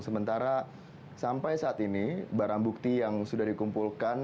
sementara sampai saat ini barang bukti yang sudah dikumpulkan